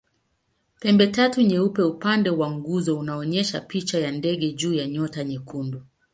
Pembetatu nyeupe upande wa nguzo unaonyesha picha ya ndege juu ya nyota nyekundu.